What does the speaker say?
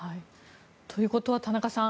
ということは田中さん